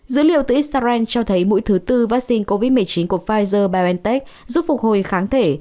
dữ liệu từ israel cho thấy mũi thứ tư vaccine covid một mươi chín của pfizer biontech giúp phục hồi kháng thể